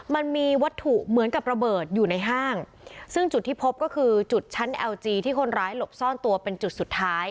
มันมีวัตถุเหมือนกับระเบิดอยู่ในห้างซึ่งจุดที่พบก็คือจุดชั้นเอลจีที่คนร้ายหลบซ่อนตัวเป็นจุดสุดท้าย